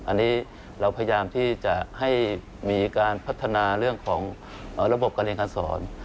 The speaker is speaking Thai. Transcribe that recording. อันนี้เราพยายามที่จะให้มีการพัฒนาเรื่องของระบบการเรียนการสอน